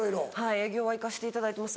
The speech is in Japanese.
営業は行かせていただいてます